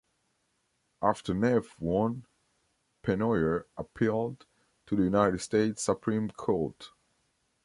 After Neff won, Pennoyer appealed to the United States Supreme Court.